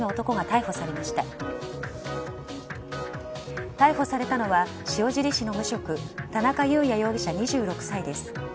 逮捕されたのは塩尻市の無職田中雄也容疑者２６歳です。